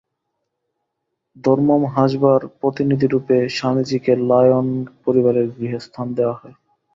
ধর্মমহাসভার প্রতিনিধিরূপে স্বামীজীকে lion পরিবারের গৃহে স্থান দেওয়া হয়।